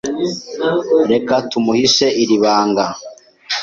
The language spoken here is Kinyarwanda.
Reka tumuhishe iri banga.